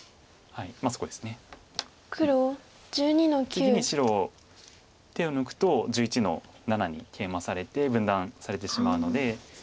次に白手を抜くと１１の七にケイマされて分断されてしまうので。